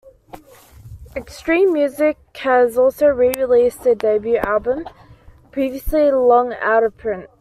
Xtreem Music has also re-released the debut album, previously long out of print.